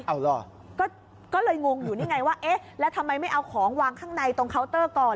เอาเหรอก็เลยงงอยู่นี่ไงว่าเอ๊ะแล้วทำไมไม่เอาของวางข้างในตรงเคาน์เตอร์ก่อน